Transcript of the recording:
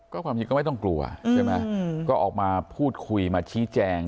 ก็ความจริงก็ไม่ต้องกลัวใช่ไหมก็ออกมาพูดคุยมาชี้แจง